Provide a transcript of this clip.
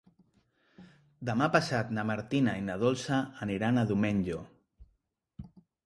Demà passat na Martina i na Dolça aniran a Domenyo.